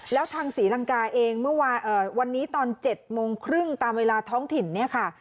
แล้วทางศรีลังกาเองวันนี้ตอน๗๓๐ตามเวลาท้องถิ่นนี้ค่ะ